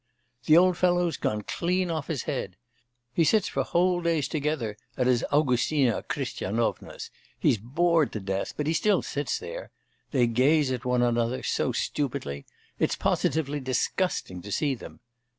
'The old fellow's gone clean off his head. He sits for whole days together at his Augustina Christianovna's, he's bored to death, but still he sits there. They gaze at one another so stupidly.... It's positively disgusting to see them.